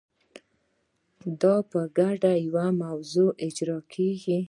دا په ګډه په یوه موضوع اجرا کیږي.